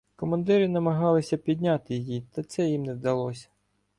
Командири намагалися підняти її, та це їм не вдалося.